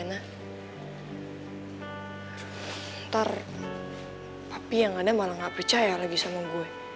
ntar tapi yang ada malah nggak percaya lagi sama gue